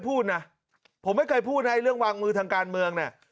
พูดนะผมไม่เคยพูดนะเรื่องวางมือทางการเมืองเนี่ย